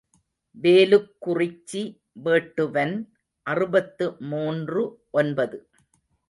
வேலுக் குறிச்சி வேட்டுவன் அறுபத்து மூன்று ஒன்பது.